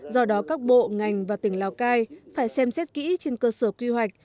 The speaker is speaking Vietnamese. do đó các bộ ngành và tỉnh lào cai phải xem xét kỹ trên cơ sở quy hoạch